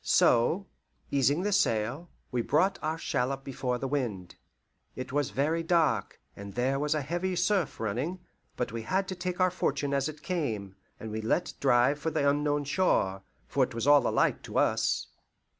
So, easing the sail, we brought our shallop before the wind. It was very dark, and there was a heavy surf running; but we had to take our fortune as it came, and we let drive for the unknown shore, for it was all alike to us.